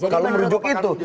kalau merujuk itu